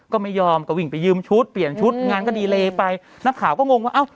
ก็ไม่ยอมก็วิ่งไปยืมชุดเปลี่ยนชุดงานก็ดีเลไปนักข่าวก็งงว่าเอ้า